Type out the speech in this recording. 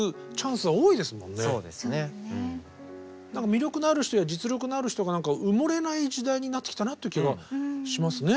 魅力のある人や実力のある人が埋もれない時代になってきたなっていう気がしますね。